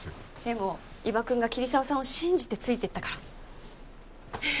でも伊庭くんが桐沢さんを信じてついていったから。